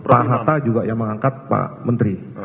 pak hatta juga yang mengangkat pak menteri